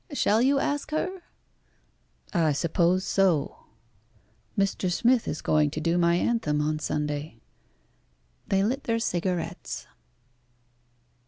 "Shall you ask her?" "I suppose so. Mr. Smith is going to do my anthem on Sunday." They lit their cigarettes.